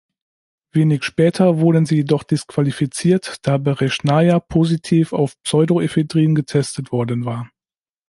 Wenig später wurden sie jedoch disqualifiziert, da Bereschnaja positiv auf Pseudoephedrin getestet worden war.